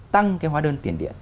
tăng cái hóa đơn tiền điện